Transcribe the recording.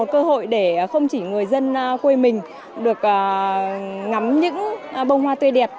cơ hội để không chỉ người dân quê mình được ngắm những bông hoa tươi đẹp